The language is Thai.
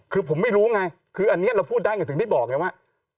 คือผมไม่รู้ไงคืออันนี้เราพูดได้อย่างสิ่งที่บอกเนี่ยว่า